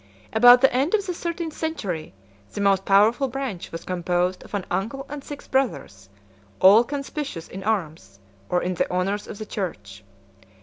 100 About the end of the thirteenth century, the most powerful branch was composed of an uncle and six bothers, all conspicuous in arms, or in the honors of the church.